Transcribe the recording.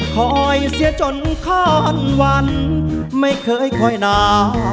คอยเสียจนข้อนวันไม่เคยคอยหนา